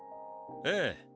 ええ。